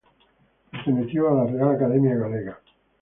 Perteneció a la Real Academia Galega.